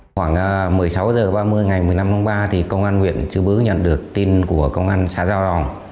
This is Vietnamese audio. khoảng một mươi sáu h ba mươi ngày một mươi năm tháng ba công an huyện chứ bứ nhận được tin của công an xã giao đồng